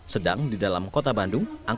sedang di dalam kota bandung